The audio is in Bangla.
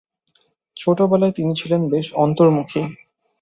ছোটবেলায় তিনি ছিলেন বেশ অন্তর্মুখী।